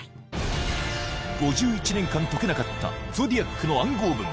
５１年間解けなかったゾディアックの暗号文